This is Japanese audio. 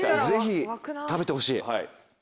ぜひ食べてほしい。